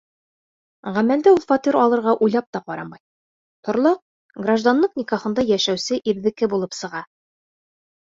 Ғәмәлдә ул фатир алырға уйлап та ҡарамай, торлаҡ гражданлыҡ никахында йәшәүсе ирҙеке булып сыға.